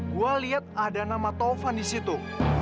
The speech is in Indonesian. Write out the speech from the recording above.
gue lihat ada nama taufan di situ